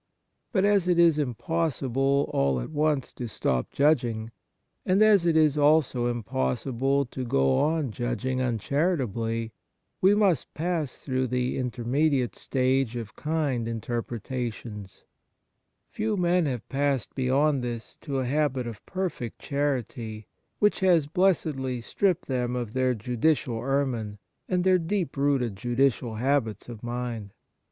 But, as it is impossible all at once to stop judging, and as it is also impossible to go on judging uncharitably, we must pass through the intermediate stage of kind interpreta *tions. Few men have passed beyond this to a habit of perfect charity, which has 56 Kindness blessedly stripped them of their judicial ermine and their deeply rooted judicial habits of mind.